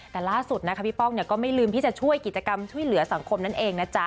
แต่ล่าสุดพี่ป้องก็ไม่ลืมอยู่ที่จะช่วยกิจกรรมช่วยเหลือสังคมนั้นเอง